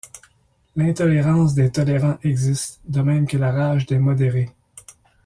L’intolérance des tolérants existe, de même que la rage des modérés.